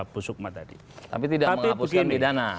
bu sukma tadi tapi tidak menghapuskan pidana